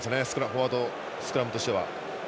フォワードスクラムとしては。